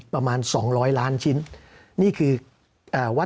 สำหรับกำลังการผลิตหน้ากากอนามัย